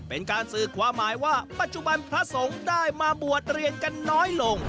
เป็นการสื่อความหมายว่าปัจจุบันพระสงฆ์ได้มาบวชเรียนกันน้อยลง